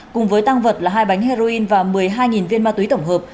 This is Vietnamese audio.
cùng với tăng vật là hai bánh heroin và một mươi hai viên ma túy tổng hợp